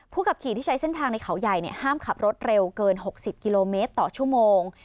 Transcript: ขับขี่ที่ใช้เส้นทางในเขาใหญ่ห้ามขับรถเร็วเกิน๖๐กิโลเมตรต่อชั่วโมง